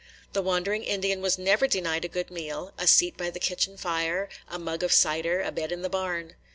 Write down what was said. The wandering Indian was never denied a good meal, a seat by the kitchen fire, a mug of cider, and a bed in the barn.